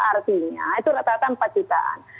artinya itu rata rata empat jutaan